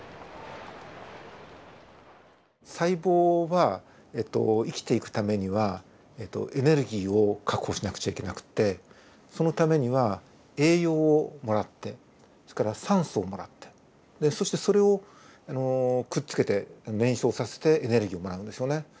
細胞は生きていくためにはエネルギーを確保しなくちゃいけなくてそのためには栄養をもらってそれから酸素をもらってそしてそれをくっつけて燃焼させてエネルギーをもらうんですよね。